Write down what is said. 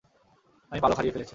আমি পালক হারিয়ে ফেলেছি।